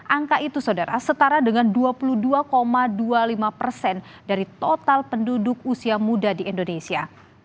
angka itu saudara setara dengan dua puluh dua dua puluh lima persen dari total penduduk usia muda di indonesia